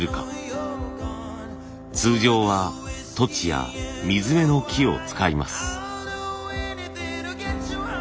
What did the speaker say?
通常はトチやミズメの木を使います。